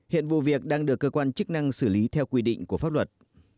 hiện vụ việc đang được cơ quan chức năng xử lý theo quy định của pháp luật